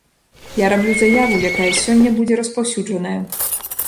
Я раблю заяву, якая сёння будзе распаўсюджаная.